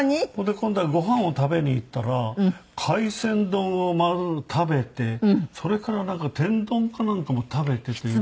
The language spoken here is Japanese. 今度はご飯を食べに行ったら海鮮丼をまず食べてそれからなんか天丼かなんかも食べてという。